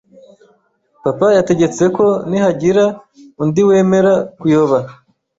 papa yategetse ko ni hagira undi wemera kuyoba